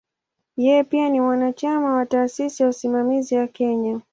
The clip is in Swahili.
Yeye pia ni mwanachama wa "Taasisi ya Usimamizi ya Kenya".